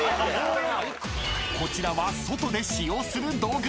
［こちらは外で使用する道具］